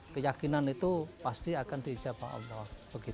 keyakinan itu pasti akan dijabah allah